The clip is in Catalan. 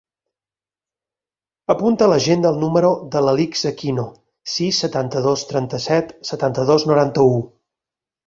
Apunta a l'agenda el número de l'Alix Aquino: sis, setanta-dos, trenta-set, setanta-dos, noranta-u.